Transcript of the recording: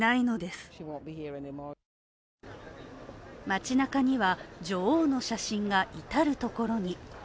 街なかには女王の写真が至る所に。